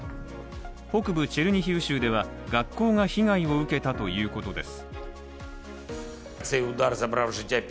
北部チェルニヒウ州では学校が被害を受けたということです。